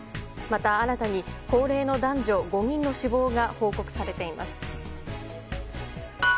また新たに高齢の男女５人の死亡が報告されています。